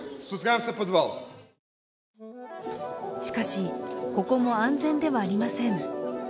しかし、ここも安全ではありません。